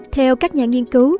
theo các nhà nghiên cứu